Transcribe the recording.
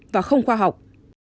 và không khoa học